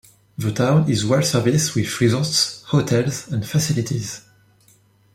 The town is well serviced with resorts, hotels and facilities.